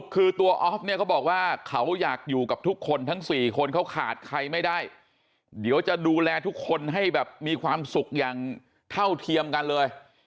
คือจะหาขายไม่ได้เดี๋ยวจะดูแลทุกคนให้แบบมีความสุขอย่างเท่าเทียมกันเลย